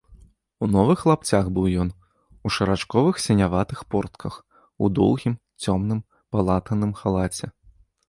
У новых лапцях быў ён, у шарачковых сіняватых портках, у доўгім, цёмным, палатаным халаце.